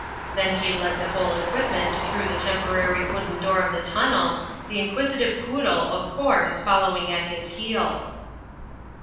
Then he led the whole equipment through the tem porary wooden door of the tunnel, the inquisitive Quoodle, of course, following at his heels.